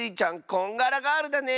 こんがらガールだね！